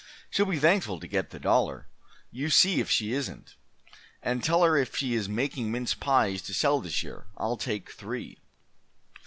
She'll be thankful to get the dollar you see if she isn't! And tell her if she is making mince pies to sell this year, I'll take three."